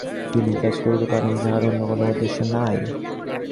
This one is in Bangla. তিনিই কাজ করিতে পারেন, যাঁহার অন্য কোন উদ্দেশ্য নাই।